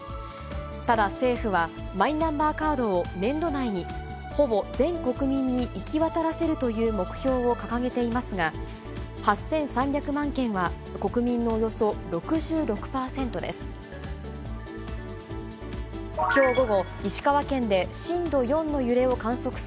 ただ、政府はマイナンバーカードを年度内に、ほぼ全国民に行き渡らせるという目標を掲げていますが、８３００万件は国民のおよそ６６％です。